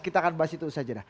kita akan bahas itu saja